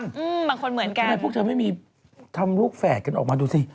ทำไมพวกเธอไม่มีทำลูกแฝดกันออกมาดูสิ